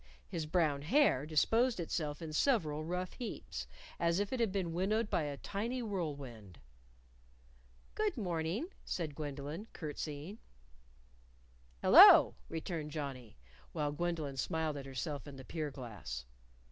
His brown hair disposed itself in several rough heaps, as if it had been winnowed by a tiny whirlwind. "Good morning," said Gwendolyn, curtseying. "Hello!" returned Johnnie while Gwendolyn smiled at herself in the pier glass.